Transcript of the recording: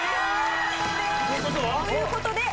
ということは？